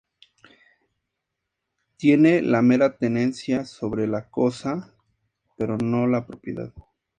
Tiene la mera tenencia sobre la cosa, pero no la propiedad.